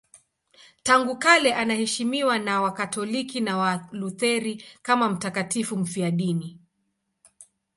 Tangu kale anaheshimiwa na Wakatoliki na Walutheri kama mtakatifu mfiadini.